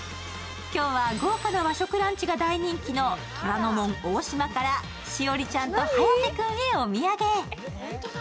今日は豪華な和食ランチが大人気の虎ノ門おお島から栞里ちゃんと颯君へお土産。